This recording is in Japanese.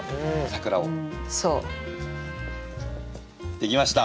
できました。